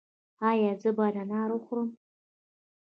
ایا زه باید انار وخورم؟